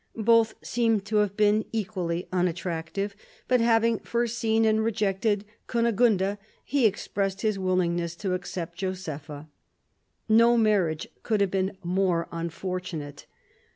Both seem to have been equally unattractive ; but having first seen and rejected Kune gunda, he expressed his willingness to accept Josepha. No marriage could have been more unfortunate.